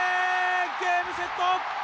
ゲームセット。